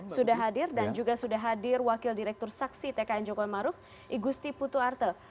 sudah hadir dan juga sudah hadir wakil direktur saksi tkn joko widodo maruf igusti putu arte